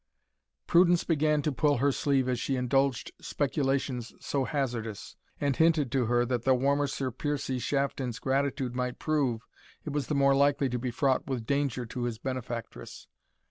Prudence began to pull her sleeve as she indulged speculations so hazardous, and hinted to her that the warmer Sir Piercie Shafton's gratitude might prove, it was the more likely to be fraught with danger to his benefactress.